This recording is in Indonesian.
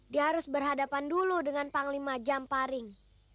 dia harus berhadapan dulu dengan panglima jamparing